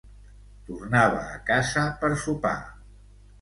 Tornava a casa per sopar.